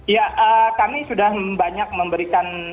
ya kami sudah banyak memberikan